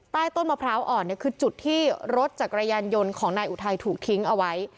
ต้นมะพร้าวอ่อนเนี่ยคือจุดที่รถจักรยานยนต์ของนายอุทัยถูกทิ้งเอาไว้